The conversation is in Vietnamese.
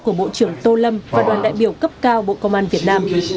của bộ trưởng tô lâm và đoàn đại biểu cấp cao bộ công an việt nam